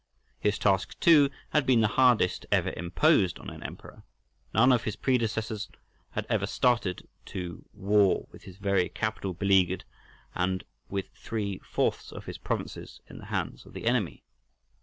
His task, too, had been the hardest ever imposed on an emperor; none of his predecessors had ever started to war with his very capital beleaguered and with three fourths of his provinces in the hands of the enemy.